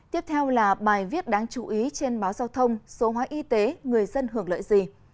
tiếp theo là bài viết đáng chú ý trên báo giao thông số hóa y tế người dân hưởng lợi gì